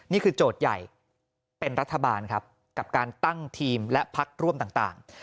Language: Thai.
โจทย์ใหญ่เป็นรัฐบาลครับกับการตั้งทีมและพักร่วมต่าง